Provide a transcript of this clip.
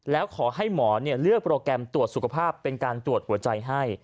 แล้วขอให้หมอเลือกโปรแกรมตรวจสุขภาพเป็นการตรวจหัวใจให้